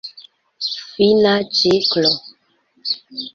Fina ciklo.